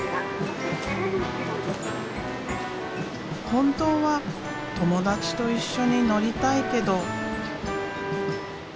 本当は友達と一緒に乗りたいけど。